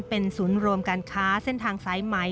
เป็นศูนย์รวมการค้าเส้นทางสายไหม